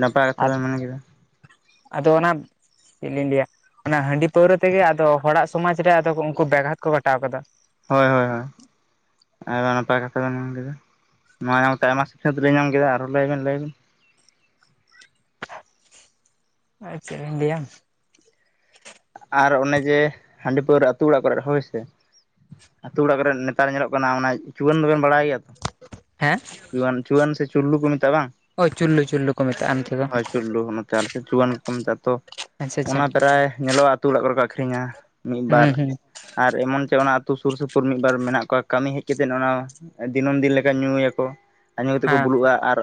ᱱᱟᱯᱟᱭ ᱠᱟᱛᱷᱟ ᱟᱫ ᱵᱮᱱ ᱢᱮᱱ ᱠᱮᱫᱟ ᱟᱫᱚ ᱚᱱᱟ ᱪᱮᱫ ᱞᱤᱧ ᱞᱟᱹᱭᱟ ᱚᱱᱟ ᱦᱟᱺᱰᱤ ᱯᱟᱹᱣᱨᱟᱹ ᱛᱮᱜᱮ ᱟᱫᱚ ᱦᱚᱲᱟᱜ ᱥᱚᱢᱟᱡᱽ ᱨᱮ ᱟᱫᱚ ᱩᱱᱠᱩ ᱵᱮᱜᱷᱟᱛ ᱠᱚ ᱜᱷᱚᱴᱟᱣ ᱠᱟᱫᱟ ᱾ ᱦᱳᱭ ᱦᱳᱭ ᱦᱳᱭ ᱟᱨ ᱱᱟᱯᱟᱭ ᱠᱟᱛᱷᱟ ᱵᱮᱱ ᱧᱟᱢ ᱠᱮᱫᱟ ᱱᱚᱣᱟ ᱧᱟᱢᱛᱮ ᱟᱭᱢᱟ ᱥᱤᱠᱷᱱᱟᱹᱛ ᱞᱮ ᱧᱟᱢ ᱠᱮᱫᱟ ᱟᱨᱦᱚᱸ ᱞᱟᱹᱭ ᱵᱤᱱ ᱞᱟᱹᱭ ᱵᱤᱱ ᱟ ᱪᱮᱜ ᱤᱧ ᱞᱟ. ᱭᱟ᱾ ᱟᱨ ᱚᱱᱮ ᱡᱮ ᱦᱟᱺᱰᱤ ᱯᱟᱹᱣᱨᱟᱹ ᱟᱹᱛᱩ ᱚᱲᱟᱜ ᱠᱚᱨᱮ ᱦᱳᱭ ᱥᱮ ᱟᱹᱛᱩ ᱚᱲᱟᱜ ᱠᱚᱨᱮ ᱱᱮᱛᱟᱨ ᱧᱮᱞᱚᱜ ᱠᱟᱱᱟ ᱚᱱᱮ ᱪᱩᱣᱟᱹᱱ ᱫᱚᱵᱮᱱ ᱵᱟᱲᱟᱭ ᱜᱮᱭᱟ ᱛᱚ ᱦᱮᱸ ᱪᱩᱣᱟᱹᱱ ᱪᱩᱣᱟᱹᱱ ᱥᱮ ᱪᱩᱞᱞᱩ ᱠᱚ ᱢᱮᱛᱟᱜᱼᱟ ᱵᱟᱝ ᱚ ᱪᱩᱞᱞᱩ ᱪᱩᱞᱞᱩ ᱠᱚ ᱢᱮᱛᱟᱜᱼᱟ ᱱᱚᱛᱮ ᱫᱚ ᱦᱳᱭ ᱪᱩᱞᱞᱩ ᱚᱱᱟᱛᱮ ᱟᱞᱮ ᱥᱮᱫ ᱪᱩᱣᱟᱹᱱ ᱠᱚ ᱢᱮᱛᱟᱜ ᱟᱛᱚ ᱟᱪᱪᱷᱟ ᱟᱪᱪᱷᱟ ᱧᱮᱞᱚᱜᱼᱟ ᱟᱹᱛᱩ ᱚᱲᱟᱜ ᱠᱚᱨᱮ ᱠᱚ ᱟᱠᱷᱨᱤᱧᱟ ᱢᱤᱫᱵᱟᱨ ᱦᱩᱸ ᱦᱩᱸ ᱟᱨ ᱮᱢᱚᱱ ᱪᱮ ᱚᱱᱟ ᱟᱹᱛᱩ ᱥᱩᱨ ᱥᱩᱯᱩᱨ ᱢᱤᱫ ᱵᱟᱨ ᱢᱮᱱᱟᱜ ᱠᱚᱣᱟ ᱠᱟᱹᱢᱤ ᱦᱮᱡ ᱠᱟᱛᱮᱫ ᱚᱱᱟ ᱫᱤᱱᱟᱹᱢ ᱫᱤᱱ ᱞᱮᱠᱟ ᱧᱩᱭᱟᱠᱚ ᱟᱨ ᱧᱩ ᱛᱮᱫ ᱠᱚ ᱦᱮᱸ ᱵᱩᱞᱩᱜᱼᱟ ᱟᱨ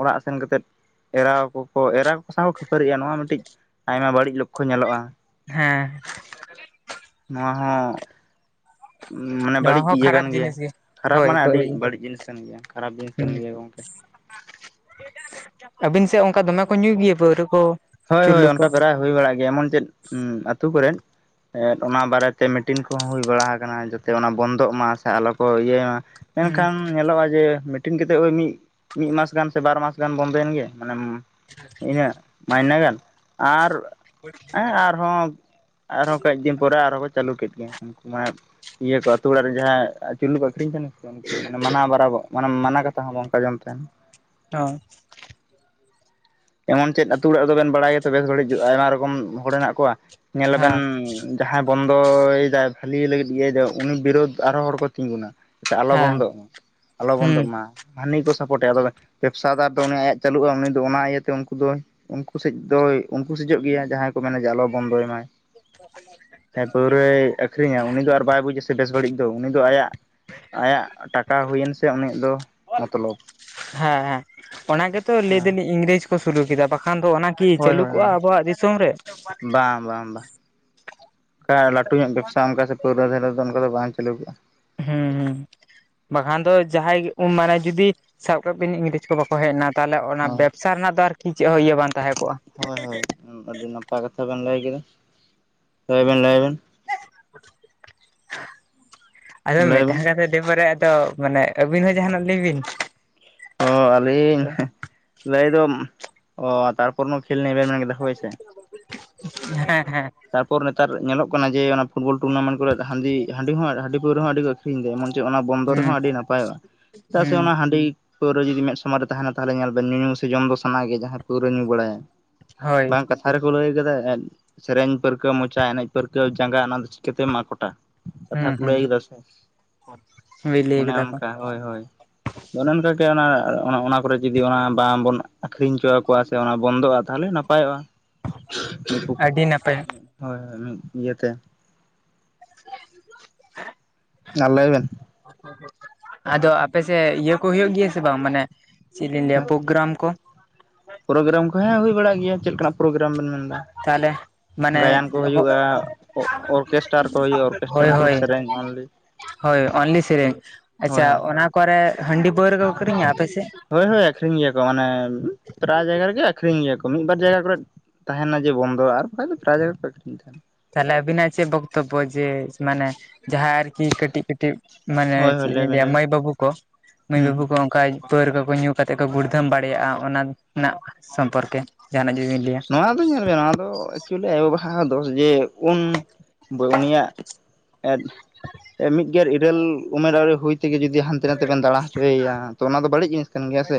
ᱚᱲᱟᱜ ᱥᱮᱱ ᱠᱟᱛᱮᱫ ᱮᱨᱟ ᱠᱚᱠᱚ ᱮᱨᱟ ᱠᱚ ᱥᱟᱶ ᱠᱚ ᱠᱷᱟᱹᱯᱟᱹᱨᱤᱜᱼᱟ ᱱᱚᱣᱟ ᱢᱤᱫᱴᱤᱡ ᱟᱭᱢᱟ ᱵᱟᱹᱲᱤᱡ ᱞᱚᱠᱠᱷᱚ ᱧᱮᱞᱚᱜᱼᱟ ᱦᱮᱸ ᱱᱚᱣᱟ ᱦᱚᱸ ᱢᱟᱱᱮ ᱱᱚᱣᱟ ᱵᱟᱹᱲᱤᱡ ᱦᱚᱸ ᱤᱭᱟᱹ ᱠᱟᱱ ᱠᱷᱟᱨᱟᱯ ᱜᱮᱭᱟ ᱡᱤᱱᱤᱥ ᱜᱮ ᱠᱷᱟᱨᱟᱯ ᱦᱳᱭ ᱢᱟᱱᱮ ᱟᱹᱰᱤ ᱵᱟᱹᱲᱤᱡ ᱡᱤᱱᱤᱥ ᱠᱟᱱ ᱜᱮᱭᱟ ᱠᱷᱟᱨᱟᱯ ᱡᱤᱱᱤᱥ ᱠᱟᱱ ᱦᱩᱸ ᱜᱮᱭᱟ ᱜᱚᱝᱠᱮ ᱟᱹᱵᱤᱱ ᱥᱮᱫ ᱚᱱᱠᱟ ᱫᱚᱢᱮ ᱠᱚ ᱧᱩᱭ ᱜᱮᱭᱟ ᱯᱟᱹᱣᱨᱟᱹ ᱠᱚ ᱦᱳᱭ ᱦᱳᱭ ᱪᱩᱨᱞᱩ ᱠᱚ? ᱚᱱᱠᱟ ᱯᱨᱟᱭ ᱦᱳᱭ ᱵᱟᱲᱟᱜ ᱜᱮᱭᱟ ᱮᱢᱚᱱ ᱪᱮᱫ ᱟᱹᱛᱩ ᱠᱚᱨᱮᱫ ᱮᱫ ᱚᱱᱟ ᱵᱟᱨᱮ ᱛᱮ ᱢᱤᱴᱤᱱ ᱠᱚᱦᱚᱸ ᱦᱳᱭ ᱵᱟᱲᱟ ᱠᱟᱱᱟ ᱡᱟᱛᱮ ᱚᱱᱟ ᱵᱚᱱᱫᱚᱜ ᱢᱟ ᱥᱮ ᱟᱞᱚ ᱠᱚ ᱤᱭᱟᱹᱭ ᱢᱟ ᱢᱮᱱᱠᱷᱟᱱ ᱦᱩᱸ ᱧᱮᱞᱚᱜᱼᱟ ᱡᱮ ᱢᱤᱴᱤᱱ ᱠᱟᱛᱮ ᱳᱭ ᱢᱤᱫ, ᱢᱤᱫ ᱢᱟᱥ ᱜᱟᱱ ᱥᱮ ᱵᱟᱨ ᱢᱟᱥ ᱜᱟᱱ ᱵᱚᱱᱫᱚᱭᱮᱱ ᱜᱮ ᱢᱟᱱᱮ ᱤᱱᱟᱹᱜ ᱢᱟᱭᱱᱮ ᱜᱟᱱ ᱟᱨ ᱦᱮᱸ [unintelligible] ᱟᱨᱦᱚᱸ ᱟᱨᱦᱚᱸ ᱠᱟᱹᱡᱫᱤᱱ ᱯᱚᱨᱮ ᱟᱨᱦᱚᱸ ᱠᱚ ᱪᱟᱹᱞᱩ ᱠᱮᱫ ᱜᱮ ᱩᱱᱠᱩ ᱢᱟᱱᱮ ᱤᱭᱟᱹ ᱠᱚ ᱟ ᱟᱹᱛᱩ ᱚᱲᱟᱜ ᱨᱮ ᱡᱟᱦᱟᱸ ᱪᱩᱞᱞᱩ ᱠᱚ ᱟᱠᱷᱨᱤᱧ ᱠᱟᱱᱟ ᱠᱚ ᱢᱟᱱᱟᱣ ᱵᱟᱨ ᱢᱟᱱᱮ ᱢᱟᱱᱟ ᱠᱟᱛᱷᱟ ᱦᱚᱸ ᱵᱟᱝ ᱠᱚ ᱟᱸᱡᱚᱢ ᱛᱟᱦᱮᱸᱱᱟ ᱚ ᱮᱢᱚᱱ ᱪᱮᱫ ᱟᱹᱛᱩ ᱚᱲᱟᱜ ᱨᱮᱫᱚ ᱵᱮᱱ ᱵᱟᱲᱟᱭ ᱟᱛᱚ ᱵᱮᱥ ᱜᱷᱟᱹᱲᱤᱡ ᱟᱭᱢᱟ ᱨᱚᱠᱚᱢ ᱦᱚᱲ ᱦᱮᱱᱟᱜ ᱠᱚᱣᱟ ᱧᱮᱞ ᱞᱟᱵᱮᱱ ᱦᱮᱸ ᱡᱟᱦᱟᱸᱭ ᱵᱚᱱᱫᱚᱭ ᱫᱟᱭ ᱵᱷᱟᱹᱞᱤ ᱞᱟᱹᱜᱤᱫ ᱜᱮ ᱩᱱᱤ ᱵᱤᱨᱳᱫᱽ ᱟᱨᱦᱚ ᱦᱚᱲ ᱠᱚ ᱛᱤᱸᱜᱩᱱᱟ ᱡᱟᱛᱮ ᱟᱞᱚ ᱦᱮᱸ ᱵᱚᱱᱫᱚᱜ ᱟᱞᱚ ᱦᱩᱸ ᱵᱚᱱᱫᱚᱜ ᱢᱟ ᱦᱟᱹᱱᱤ ᱠᱚ ᱥᱟᱯᱚᱴ ᱮᱭᱟ ᱵᱮᱵᱽᱥᱟᱫᱟᱨ ᱫᱚ ᱩᱱᱤ ᱟᱭᱟᱜ ᱪᱟᱹᱞᱩᱜᱼᱟ ᱩᱱᱤ ᱫᱚ ᱚᱱᱟ ᱤᱭᱟᱹᱛᱮ ᱛᱮ ᱩᱱᱠᱩ ᱫᱚ ᱩᱱᱠᱩ ᱥᱮᱡ ᱫᱚᱭ ᱩᱱᱠᱩ ᱥᱮᱡᱚᱜ ᱜᱮᱭᱟ ᱡᱟᱦᱟᱸᱭ ᱠᱚ ᱢᱮᱱᱟ ᱡᱮ ᱟᱞᱚ ᱵᱚᱱᱫᱚᱭ ᱢᱟᱭ [unintelligible] ᱦᱮ ᱯᱟᱹᱣᱨᱟᱹᱭ ᱟᱹᱠᱷᱨᱤᱧᱟ ᱩᱱᱤ ᱫᱚ ᱟᱨ ᱵᱟᱭ ᱵᱩᱡᱟ ᱥᱮ ᱵᱮᱥ ᱜᱷᱟᱹᱲᱤᱡ ᱫᱚ ᱩᱱᱤ ᱫᱚ ᱟᱭᱟᱜ ᱟᱭᱟᱜ ᱴᱟᱠᱟ ᱦᱩᱭᱮᱱ ᱥᱮ ᱩᱱᱤᱭᱟᱜ ᱫᱚ ᱢᱚᱛᱞᱚᱵ ᱦᱮᱸ ᱦᱮᱸ ᱚᱱᱟ ᱜᱮᱛᱚ ᱞᱟᱹᱭ ᱫᱟᱞᱤᱧ ᱤᱝᱨᱮᱡᱽ ᱠᱚ ᱥᱩᱨᱩ ᱠᱮᱫᱟ ᱵᱟᱠᱷᱟᱱ ᱫᱚ ᱚᱱᱟ ᱠᱤ ᱦᱳᱭ ᱪᱟᱹᱞᱩ ᱦᱳᱭ ᱠᱚᱜᱼᱟ ᱦᱳᱭ ᱟᱵᱚᱣᱟᱜ ᱫᱤᱥᱚᱢ ᱨᱮ ᱵᱟᱝ ᱵᱟᱝ ᱵᱟᱝ ᱚᱱᱠᱟ ᱞᱟᱹᱴᱩ ᱧᱚᱜ ᱵᱮᱵᱽᱥᱟ ᱚᱱᱠᱟ ᱥᱮ ᱯᱟᱹᱣᱨᱟᱹ ᱫᱷᱟᱨᱮ ᱨᱮ ᱫᱚ ᱚᱱᱠᱟ ᱫᱚ ᱵᱟᱝ ᱪᱟᱹᱞᱩ ᱠᱮᱫᱼᱟ ᱦᱩᱸ ᱦᱩᱸ ᱵᱟᱠᱷᱟᱱ ᱫᱚ ᱡᱟᱦᱟᱸᱭ ᱩᱢ ᱢᱟᱱᱮ ᱡᱩᱫᱤ ᱥᱟᱵ ᱠᱟᱜ ᱵᱤᱱ ᱤᱝᱨᱮᱡᱽ ᱠᱚ ᱵᱟᱠᱚ ᱦᱮᱡ ᱮᱱᱟ ᱛᱟᱦᱚᱞᱮ ᱚᱱᱟ ᱵᱮᱵᱽᱥᱟ ᱨᱮᱱᱟᱜ ᱫᱚ ᱟᱨᱠᱤ ᱪᱮᱫ ᱦᱚᱸ ᱤᱭᱟᱹ ᱵᱟᱝ ᱛᱟᱦᱮᱸ ᱠᱚᱜᱼᱟ ᱦᱳᱭ ᱦᱳᱭ ᱦᱳᱭ ᱟᱹᱰᱤ ᱱᱟᱯᱟᱭ ᱠᱟᱛᱷᱟ ᱵᱮᱱ ᱞᱟᱹᱭ ᱠᱮᱫᱟ ᱞᱟᱹᱭᱵᱮᱱ ᱞᱟᱹᱭᱵᱮᱱ ᱟᱫᱚ ᱞᱟᱹᱭ ᱵᱮᱱ ᱢᱤᱫᱴᱟᱝ ᱠᱟᱛ ᱫᱮᱵᱟᱨᱮ ᱟᱫᱚ ᱢᱟᱱᱮ ᱟᱹᱵᱤᱱ ᱦᱚᱸ ᱡᱟᱦᱟᱱᱟᱜ ᱞᱟᱹᱭ ᱵᱤᱱ ᱚ ᱟᱹᱞᱤᱧ ᱞᱟᱹᱭ ᱫᱚ ᱚ ᱛᱟᱨᱯᱚᱨᱱ ᱠᱷᱮᱞ ᱱᱤᱭᱟ ᱵᱮᱱ ᱢᱮᱱ ᱠᱮᱫᱟ ᱦᱚᱭ ᱥᱮ ᱦᱮᱸ ᱦᱮᱸ ᱛᱟᱨᱯᱚᱨ ᱱᱮᱛᱟᱨ ᱧᱮᱞᱚᱜ ᱠᱟᱱᱟ ᱡᱮ ᱚᱱᱟ ᱯᱷᱩᱴᱵᱚᱞ ᱴᱩᱨᱱᱟᱢᱮᱱᱴ ᱠᱚᱨᱮ ᱦᱟᱺᱰᱤ ᱦᱟᱺᱰᱤ ᱦᱚᱸ ᱦᱟᱺᱰᱤ ᱯᱟᱹᱣᱨᱟᱹ ᱦᱚᱸ ᱟᱹᱰᱤ ᱠᱚ ᱟᱹᱠᱷᱨᱤᱧ ᱮᱟᱭ ᱮᱢᱚᱱ ᱚᱱᱟ ᱵᱚᱱᱫᱚᱨ ᱨᱮᱦᱚᱸ ᱦᱩᱸ ᱟᱹᱰᱤ ᱱᱟᱯᱟᱭᱚᱜᱼᱟ ᱪᱮᱫᱟᱜ ᱥᱮ ᱦᱩᱸ ᱚᱱᱟ ᱦᱟᱺᱰᱤ ᱯᱟᱹᱣᱨᱟᱹ ᱡᱩᱫᱤ ᱢᱮᱫ ᱥᱟᱢᱟᱝ ᱨᱮ ᱛᱟᱦᱮᱸᱱᱟ ᱛᱟᱦᱚᱞᱮ ᱧᱮᱞ ᱵᱥᱮ ᱧᱩ ᱧᱩ ᱥᱮ ᱡᱚᱢ ᱫᱚ ᱥᱟᱱᱟ ᱜᱮ ᱡᱟᱦᱟᱸᱭ ᱯᱟᱹᱣᱨᱟᱹ ᱧᱩ ᱵᱟᱲᱟᱭᱟ ᱦᱳᱭ ᱵᱟᱝ ᱠᱟᱛᱷᱟ ᱨᱮᱠᱚ ᱞᱟᱹᱭ ᱠᱟᱫᱟ ᱥᱮᱨᱮᱧ ᱯᱟᱹᱨᱠᱟᱹᱣ ᱢᱚᱪᱟ ᱮᱱᱮᱡ ᱯᱟᱹᱨᱠᱟᱹᱣ ᱡᱟᱸᱜᱟ ᱚᱱᱟ ᱫᱚ ᱪᱤᱠᱟᱹᱛᱮᱢ ᱟᱠᱚᱴᱟ ᱠᱟᱛᱷᱟ ᱦᱩᱸ ᱠᱚ ᱞᱟᱹᱭ ᱦᱩᱸ ᱟᱠᱮᱫᱟ ᱥᱮ ᱦᱳᱭ ᱞᱟᱹᱭ ᱚᱱᱮ ᱠᱟᱫᱟ ᱠᱚ ᱚᱱᱠᱟ ᱦᱳᱭ ᱦᱳᱭ ᱚᱱᱮ ᱚᱱᱠᱟᱜᱮ ᱚᱱᱟ ᱚᱱᱟ ᱠᱚᱨᱮ ᱡᱩᱫᱤ ᱚᱱᱟ ᱵᱟᱝᱵᱚᱱ ᱟᱹᱠᱷᱨᱤᱧ ᱦᱚᱪᱚᱣᱟᱠᱚᱣᱟ ᱠᱚᱣᱟ ᱥᱮ ᱚᱱᱟ ᱵᱚᱱᱫᱚᱜᱼᱟ ᱛᱟᱦᱚᱞᱮ ᱱᱟᱯᱟᱭᱚᱜᱼᱟ ᱟᱹᱰᱤ ᱱᱟᱯᱟᱭ ᱦᱳᱭ ᱦᱳᱭ ᱢᱤᱫ ᱤᱭᱟᱹᱛᱮ ᱦᱮ ᱟᱨ ᱞᱟᱹᱭ ᱵᱮᱱ ᱟᱫᱚ ᱟᱯᱮᱥᱮᱫ ᱤᱭᱟᱹ ᱠᱚ ᱦᱩᱭᱩᱜ ᱜᱮᱭᱟ ᱥᱮ ᱵᱟᱝ ᱢᱟᱱᱮ ᱪᱮᱫ ᱞᱤᱧ ᱞᱟᱹᱭᱟ ᱯᱨᱳᱜᱨᱟᱢ ᱠᱚ ᱯᱨᱳᱜᱨᱟᱢ ᱠᱚ ᱦᱮᱸ ᱦᱩᱭ ᱵᱟᱲᱟᱜ ᱜᱮᱭᱟ ᱪᱮᱫ ᱞᱮᱠᱟᱱᱟᱜ ᱯᱨᱳᱜᱨᱟᱢ ᱵᱮᱱ ᱢᱮᱱ ᱮᱫᱟ ᱛᱟᱦᱚᱞᱮ ᱢᱟᱱᱮ ᱚᱨᱠᱮᱥᱴᱟᱨ ᱠᱚ ᱦᱩᱭᱩᱜᱼᱟ ᱚᱨᱠᱮᱥᱴᱟᱨ ᱦᱳᱭ ᱢᱚᱛᱞᱚᱵ ᱦᱳᱭ ᱥᱮᱨᱮᱧ ᱚᱱᱞᱤ ᱦᱳᱭ ᱚᱱᱞᱤ ᱥᱮᱨᱮᱧ ᱦᱳᱭ ᱟᱪᱪᱷᱟ᱾ ᱦᱳᱭ ᱚᱱᱟ ᱠᱚᱨᱮ ᱦᱟᱺᱰᱤ ᱯᱟᱹᱣᱨᱟ ᱠᱚ ᱟᱹᱠᱷᱨᱤᱧᱟ ᱟᱯᱮᱥᱮᱫ? ᱦᱳᱭ ᱦᱳᱭ ᱟᱹᱠᱷᱨᱤᱧ ᱜᱮᱭᱟ ᱠᱚ ᱢᱟᱱᱮ ᱯᱨᱟᱭ ᱡᱟᱭᱜᱟ ᱨᱮᱜᱮ ᱟᱹᱠᱷᱨᱤᱧ ᱜᱮᱭᱟ ᱠᱚ ᱢᱤᱫ ᱵᱟᱨ ᱡᱟᱭᱜᱟ ᱠᱚᱨᱮ ᱛᱟᱦᱮᱸᱱᱟ ᱡᱮ ᱵᱚᱱᱫᱚ ᱟᱨ ᱵᱟᱠᱟᱱ ᱫᱚ ᱯᱨᱟᱭ ᱡᱟᱭᱜᱟ ᱠᱚ ᱟᱹᱠᱷᱨᱤᱧ ᱛᱟᱦᱮᱱᱟ᱾ ᱛᱟᱦᱚᱞᱮ ᱟᱵᱤᱱᱟᱜ ᱪᱮᱫ ᱵᱚᱠᱛᱚᱵᱵᱚ ᱡᱮ ᱢᱟᱱᱮ ᱡᱟᱦᱟᱸ ᱟᱨᱠᱤ ᱠᱟᱹᱴᱤᱡ ᱠᱟᱹᱴᱤᱡ ᱢᱟᱱᱮ ᱦᱳᱭ ᱦᱳᱭ ᱪᱮᱫ ᱤᱧ ᱞᱟᱹᱭ ᱵᱮᱱ ᱞᱟᱹᱭᱟ ᱞᱟᱹᱭ ᱵᱮᱱ ᱢᱟᱹᱭ ᱵᱟᱹᱵᱩ ᱠᱚ ᱢᱟᱹᱭ ᱦᱩᱸ ᱵᱟᱹᱵᱩ ᱦᱩᱸ ᱠᱚ ᱚᱠᱟ ᱯᱟᱹᱣᱨᱟ ᱠᱚᱠᱚ ᱧᱩ ᱠᱟᱛᱮᱫ ᱠᱚ ᱜᱩᱲᱫᱷᱚᱢ ᱫᱟᱲᱮᱭᱟᱜᱼᱟ ᱚᱱᱟ ᱨᱮᱱᱟᱜ ᱥᱚᱢᱯᱚᱨᱠᱮ ᱡᱟᱦᱟᱱᱟᱜ ᱡᱩᱫᱤᱵᱤᱱ ᱞᱟᱹᱭᱟ ᱱᱚᱣᱟ ᱫᱚ ᱧᱮᱞ ᱢᱮ ᱱᱚᱣᱟ ᱫᱚ ᱮᱠᱪᱩᱭᱮᱞᱤ ᱟᱭᱚᱼᱵᱟᱵᱟᱣᱟᱜ ᱫᱚᱥ ᱡᱮ ᱩᱱ ᱩᱱᱤᱭᱟᱜ ᱢᱤᱫ ᱢᱤᱫ ᱜᱮᱟᱨ ᱤᱨᱟᱹᱞ ᱩᱢᱮᱨ ᱟᱹᱣᱨᱤ ᱦᱩᱭ ᱛᱮᱜᱮ ᱡᱩᱫᱤ ᱦᱟᱱᱛᱮ ᱱᱟᱛᱮ ᱵᱮᱱ ᱫᱟᱬᱟ ᱦᱚᱪᱚᱭᱮᱭᱟ ᱛᱚ ᱚᱱᱟ ᱫᱚ ᱵᱟᱹᱲᱤᱡ ᱡᱤᱱᱤᱥ ᱠᱟᱱ ᱜᱮᱭᱟ ᱥᱮ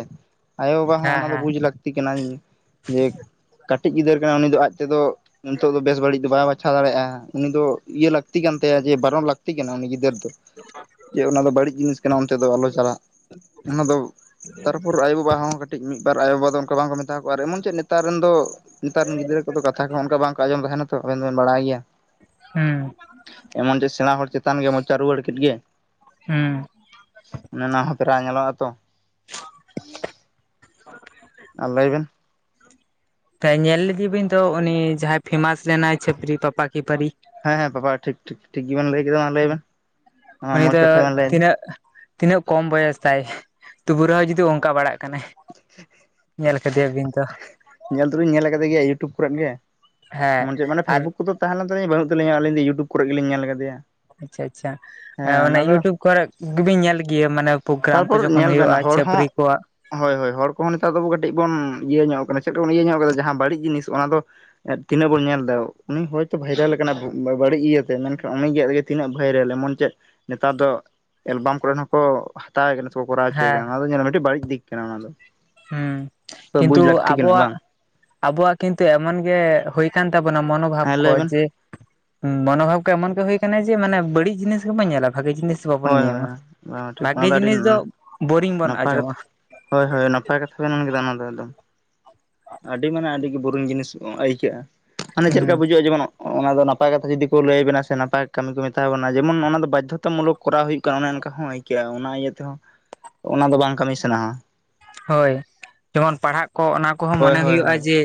ᱟᱭᱳᱼᱵᱟᱵᱟ ᱦᱚᱸ ᱦᱮᱸ ᱚᱱᱟ ᱫᱚ ᱦᱮᱸ ᱵᱩᱡᱽ ᱞᱟᱹᱠᱛᱤ ᱠᱟᱱᱟ ᱡᱮ ᱠᱟᱹᱴᱤᱡ ᱜᱤᱫᱟᱹᱨ ᱠᱟᱱᱟ ᱩᱱᱤ ᱫᱚ ᱟᱡ ᱛᱮᱫᱚ ᱱᱤᱛᱚᱜ ᱫᱚ ᱵᱮᱥ ᱵᱟᱹᱲᱤᱡ ᱫᱚ ᱵᱟᱭ ᱵᱟᱪᱷᱟᱣᱟ ᱪᱷᱟᱣ ᱫᱟᱲᱮᱭᱟᱜᱼᱟ ᱩᱱᱤ ᱫᱚ ᱤᱭᱟᱹ ᱞᱟᱹᱠᱛᱤ ᱠᱟᱱ ᱛᱟᱭᱟ ᱡᱮ ᱵᱟᱨᱚᱱ ᱞᱟᱹᱠᱛᱤ ᱠᱟᱱᱟ ᱩᱱᱤ ᱜᱤᱫᱟᱹᱨ ᱡᱮ ᱚᱱᱟ ᱫᱚ ᱵᱟᱹᱲᱤᱡ ᱡᱤᱱᱤᱥ ᱠᱟᱱᱟ ᱚᱱᱛᱮ ᱫᱚ ᱟᱞᱚ ᱪᱟᱞᱟᱜ᱾ ᱚᱱᱟ ᱫᱚ ᱛᱟᱨᱯᱚᱨ ᱟᱭᱳᱵᱟᱵᱟ ᱦᱚᱸ ᱠᱟᱹᱴᱤᱡ ᱢᱤᱫᱵᱟᱨ ᱟᱭᱳᱼᱵᱟ ᱫᱚ ᱚᱱᱠᱟ ᱵᱟᱝᱠᱚ ᱢᱮᱛᱟ ᱠᱚᱣᱟ ᱟᱨ ᱮᱢᱚᱱ ᱪᱮᱫ ᱱᱮᱛᱟᱨ ᱮᱱ ᱫᱚ ᱱᱮᱛᱟᱨ ᱨᱮᱱ ᱜᱤᱫᱽᱨᱟᱹ ᱠᱚᱫᱚ ᱠᱟᱛᱷᱟ ᱚᱱᱠᱟ ᱵᱟᱝᱠᱚ ᱟᱸᱡᱚᱢ ᱛᱟᱦᱮᱱᱟ ᱛᱚ ᱟᱵᱮᱱ ᱫᱚᱵᱮᱱ ᱵᱟᱲᱟᱭ ᱜᱮᱭᱟ ᱦᱮᱸ ᱮᱢᱚᱱ ᱡᱮ ᱥᱮᱬᱟ ᱦᱚᱲ ᱪᱮᱛᱟᱱ ᱜᱮ ᱢᱚᱪᱟ ᱨᱩᱣᱟᱹᱲ ᱠᱮᱫ ᱜᱮ ᱦᱩᱸ ᱱᱟᱱᱟ ᱦᱚᱸ ᱯᱨᱟᱭ ᱧᱮᱞᱚᱜᱼᱟ ᱛᱚ [inaudible] ᱟᱨ ᱞᱟᱹᱭ ᱵᱮᱱ ᱧᱮᱞ ᱞᱮᱫᱮ ᱵᱤᱱ ᱫᱚ ᱩᱱᱤ ᱡᱟᱦᱟᱸᱭ ᱯᱷᱮᱢᱟᱥ ᱞᱮᱱᱟᱭ ᱪᱷᱟᱯᱨᱤ ᱯᱟᱯᱟ ᱠᱤ ᱯᱟᱹᱨᱤ ᱦᱮᱸ ᱦᱮᱸ ᱵᱟᱯᱟ ᱴᱷᱤᱠ ᱴᱷᱤᱠ ᱜᱮᱵᱮᱱ ᱞᱟᱹᱭ ᱠᱮᱫᱟ ᱢᱟ ᱞᱟᱹᱭ ᱵᱮᱱ ᱩᱱᱤ ᱢᱚᱡᱽ ᱠᱟᱛᱷᱟ ᱫᱚ ᱵᱮᱱ ᱞᱟᱹᱭᱫᱟ ᱛᱤᱱᱟᱹᱜ ᱛᱤᱱᱟᱹᱜ ᱠᱚᱢ ᱵᱚᱭᱮᱥ ᱛᱟᱭ ᱛᱩᱵᱩ ᱨᱮᱦᱚ ᱡᱩᱫᱤ ᱚᱱᱠᱟ ᱵᱟᱲᱟᱜ ᱠᱟᱱᱟᱭ ᱧᱮᱞ ᱠᱮᱫᱮᱭᱟᱵᱤᱱ ᱛᱚ ᱧᱮᱞ ᱫᱚᱵᱮᱱ ᱧᱮᱞ ᱠᱟᱫᱮ ᱜᱮᱭᱟ ᱤᱭᱩᱴᱩᱵᱽ ᱠᱚᱨᱮ ᱜᱮ ᱦᱮᱸ ᱢᱟᱱᱮ ᱟᱨ ᱯᱷᱮᱥᱵᱩᱠ ᱠᱚᱫᱚ ᱛᱟᱦᱮᱸ ᱞᱮᱱ ᱛᱟᱹᱧ ᱵᱟᱹᱱᱩᱜ ᱛᱟᱹᱞᱤᱧᱟ ᱟᱹᱞᱤᱧ ᱫᱚ ᱤᱭᱩᱴᱩᱵᱽ ᱠᱚᱨᱮ ᱜᱮᱞᱤᱧ ᱧᱮᱞ ᱠᱟᱫᱮᱭᱟ ᱟᱪᱪᱷᱟ ᱟᱪᱪᱷᱟ ᱚᱱᱟᱮ ᱤᱭᱩᱴᱩᱵᱽ ᱠᱚᱨᱮ ᱜᱮᱵᱤᱱ ᱧᱮᱞ ᱜᱮᱭᱟ ᱢᱟᱱᱮ ᱯᱨᱳᱜᱨᱟᱢ ᱠᱚ ᱛᱟᱨᱯᱚᱨ ᱡᱚᱠᱷᱚᱱ ᱧᱮᱞ ᱵᱮᱱ ᱦᱩᱭᱩᱜᱼᱟ ᱦᱚᱲ ᱦᱚᱸ ᱪᱷᱟᱯᱨᱤ ᱠᱚᱣᱟᱜ ᱦᱳᱭ ᱦᱳᱭ ᱦᱚᱲ ᱠᱚᱦᱚᱸ ᱱᱮᱛᱟᱨ ᱫᱚ ᱠᱟᱹᱴᱤᱡ ᱵᱚᱱ ᱤᱭᱟᱹ ᱧᱚᱜ ᱠᱟᱱᱟ ᱪᱮᱫ ᱵᱚᱱ ᱤᱭᱟᱹ ᱧᱚᱜ ᱠᱟᱫᱟ ᱡᱟᱦᱟᱸ ᱵᱟᱹᱲᱤᱡ ᱡᱤᱱᱤᱥ ᱚᱱᱟ ᱫᱚ ᱛᱤᱱᱟᱹᱜ ᱵᱚᱱ ᱧᱮᱞ ᱮᱫᱟ ᱩᱱᱤ ᱦᱚᱭᱛᱳ ᱵᱷᱟᱭᱨᱟᱞ ᱟᱠᱟᱱᱟ ᱵᱟᱹᱲᱤᱡ ᱤᱭᱟᱹᱛᱮ ᱢᱮᱱᱠᱷᱟᱱ ᱩᱱᱤᱜᱮ ᱛᱤᱱᱟᱹᱜ ᱵᱷᱟᱹᱭᱨᱟᱞ ᱮᱢᱚᱱ ᱪᱮᱫ ᱱᱮᱛᱟᱨ ᱫᱚ ᱮᱞᱵᱟᱢ ᱠᱚᱨᱮ ᱦᱚᱸᱠᱚ ᱦᱟᱛᱟᱣ ᱠᱟᱱᱟ ᱥᱮᱠᱚ ᱠᱚᱨᱟᱣᱪᱚᱭᱮ ᱦᱮᱸ ᱠᱟᱱᱟ ᱚᱱᱟ ᱫᱚ ᱧᱮᱞᱟ ᱢᱤᱫᱴᱤᱡ ᱵᱟᱹᱲᱤᱡ ᱫᱤᱠ ᱠᱟᱱᱟ ᱚᱱᱟ ᱫᱚ ᱦᱩᱸ ᱵᱩᱡᱽ ᱠᱤᱱᱛᱩ ᱞᱟᱹᱠᱛᱤ ᱠᱟᱱᱟ ᱟᱵᱚᱣᱟᱜ ᱵᱟᱝ ᱟᱵᱚᱣᱟᱜ ᱠᱤᱱᱛᱩ ᱮᱢᱚᱱ ᱜᱮ ᱦᱩᱭ ᱠᱟᱱ ᱛᱟᱵᱚᱱᱟ ᱢᱚᱱᱳᱵᱷᱟᱵ ᱦᱮᱸ ᱠᱚ ᱞᱟᱹᱭ ᱵᱮᱱ ᱡᱮ ᱢᱚᱱᱳᱵᱷᱟᱵ ᱠᱚ ᱮᱢᱚᱱ ᱜᱮ ᱦᱩᱭ ᱟᱠᱟᱱᱟ ᱡᱮ ᱢᱟᱱᱮ ᱵᱟᱲᱤᱡ ᱡᱤᱱᱤᱥ ᱜᱮᱵᱚᱱ ᱧᱮᱞᱟ ᱵᱷᱟᱹᱜᱤ ᱡᱤᱱᱤᱥ ᱵᱟᱵᱚᱱ ᱦᱳᱭ ᱧᱟᱢᱟ ᱦᱳᱭ ᱴᱷᱤᱠ ᱚᱱᱟ ᱵᱷᱟᱹᱜᱤ ᱟᱹᱰᱤ ᱡᱤᱱᱤᱥ ᱫᱚ ᱵᱳᱨᱤᱝ ᱵᱚᱱ ᱱᱟᱯᱟᱭ ᱟᱸᱡᱚᱢᱟ ᱠᱟᱛᱷᱟ ᱦᱳᱭ ᱦᱳᱭ ᱱᱟᱯᱟᱭ ᱠᱟᱛᱷᱟ ᱵᱮᱱ ᱢᱮᱱ ᱠᱮᱫᱟ ᱚᱱᱟ ᱫᱚ ᱮᱠᱫᱚᱢ ᱟᱹᱰᱤ ᱢᱟᱱᱮ ᱟᱹᱰᱤ ᱜᱮ ᱵᱳᱨᱤᱝ ᱡᱤᱱᱤᱥ ᱟᱹᱭᱠᱟᱹᱜᱼᱟ ᱢᱟᱱᱮ ᱪᱮᱫ ᱞᱮᱠᱟ ᱦᱩᱸ ᱵᱩᱡᱷᱟᱹᱜᱼᱟ ᱡᱮᱢᱚᱱ ᱚᱱᱟ ᱫᱚ ᱱᱟᱯᱟᱭ ᱠᱟᱛᱷᱟ ᱡᱩᱫᱤ ᱠᱚ ᱞᱟᱹᱭᱟᱵᱮᱱᱟ ᱥᱮ ᱱᱟᱯᱟᱭ ᱠᱟᱹᱢᱤ ᱠᱚ ᱢᱮᱛᱟᱣ ᱵᱚᱱᱟ ᱡᱮᱢᱚᱱ ᱚᱱᱟ ᱫᱚ ᱵᱟᱫᱽᱫᱷᱚᱛᱟ ᱢᱩᱞᱚᱠ ᱠᱚᱨᱟᱣ ᱦᱩᱭᱩᱜ ᱠᱟᱱᱟ ᱚᱱᱮ ᱚᱱᱠᱟ ᱦᱚᱸ ᱟᱹᱭᱠᱟᱹᱜᱼᱟ ᱚᱱᱟ ᱤᱭᱟᱹ ᱛᱮᱦᱚᱸ ᱚᱱᱟ ᱫᱚ ᱵᱟᱝ ᱠᱟᱹᱢᱤ ᱥᱟᱱᱟᱣᱟ ᱦᱳᱭ ᱡᱮᱢᱚᱱ ᱯᱟᱲᱦᱟᱜ ᱠᱚ ᱚᱱᱟ ᱠᱚᱦᱚᱸ ᱦᱳᱭ ᱢᱚᱱᱮ ᱦᱳᱭ ᱦᱩᱭᱩᱜᱼᱟ ᱦᱳᱭ ᱡᱮ